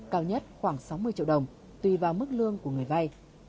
cao nhất khoảng sáu mươi triệu đồng tùy vào mức lương của người vay